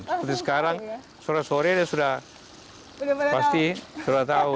seperti sekarang sore sore sudah pasti sudah tahu